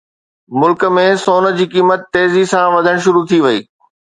ملڪ ۾ سون جي قيمت تيزي سان وڌڻ شروع ٿي وئي